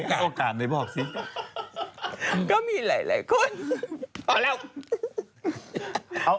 เอาเบลล่าก่อนนะ